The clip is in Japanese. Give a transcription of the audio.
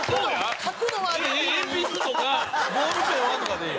「鉛筆」とか「ボールペンは」とかでええ。